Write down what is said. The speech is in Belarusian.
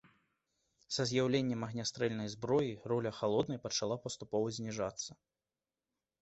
Са з'яўленнем агнястрэльнай зброі роля халоднай пачала паступова зніжацца.